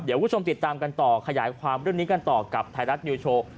เดี๋ยวคุณผู้ชมติดตามกันต่อขยายความเรื่องนี้กันต่อกับไทยรัฐนิวโชว์